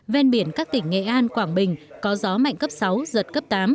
ven biển các tỉnh nghệ an quảng bình có gió mạnh cấp sáu giật cấp tám